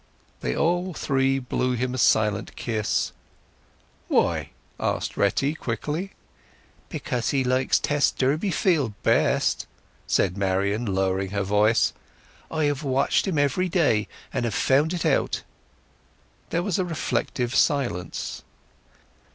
They all three blew him a silent kiss. "Why?" asked Retty quickly. "Because he likes Tess Durbeyfield best," said Marian, lowering her voice. "I have watched him every day, and have found it out." There was a reflective silence.